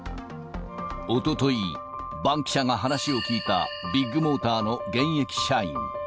おととい、バンキシャが話を聞いたビッグモーターの現役社員。